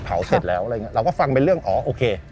เสร็จแล้วอะไรอย่างเงี้เราก็ฟังเป็นเรื่องอ๋อโอเค